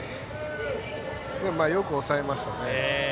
よく抑えましたね。